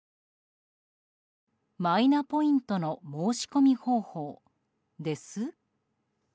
マイナポイントの申し込み方法です？